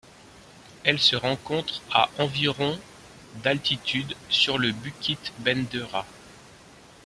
Elle se rencontre à environ d'altitude sur le Bukit Bendera.